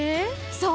そう！